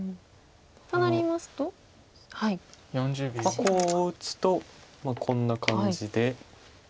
こう打つとこんな感じで。